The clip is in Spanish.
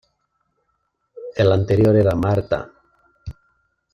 El anterior era Marta.